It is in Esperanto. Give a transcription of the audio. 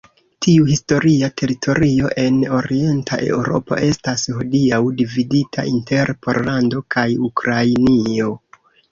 Tiu historia teritorio en Orienta Eŭropo estas hodiaŭ dividita inter Pollando kaj Ukrainio.